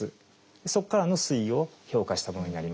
そこからの推移を評価したものになります。